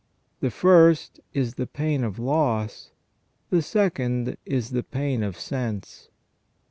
The first is the pain of loss, the second is the pain of sense.